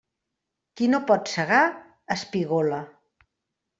Qui no pot segar, espigola.